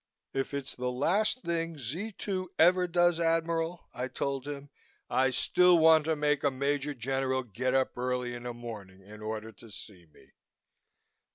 "If it's the last thing Z 2 ever does, Admiral," I told him, "I still want to make a Major General get up early in the morning in order to see me."